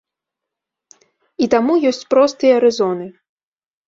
І таму ёсць простыя рэзоны.